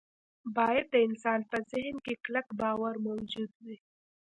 باید د انسان په ذهن کې کلک باور موجود وي